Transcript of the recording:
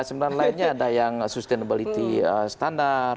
sembilan lainnya ada yang sustainability standar